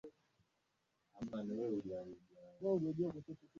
katika semina ya fursa kama mzungumzaji Maisha yangu ya shule nilikuwa